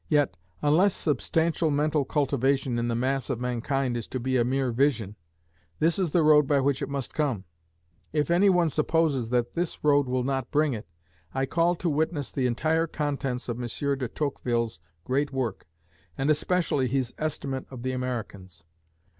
Yet, unless substantial mental cultivation in the mass of mankind is to be a mere vision, this is the road by which it must come. If any one supposes that this road will not bring it, I call to witness the entire contents of M. de Tocqueville's great work, and especially his estimate of the Americans.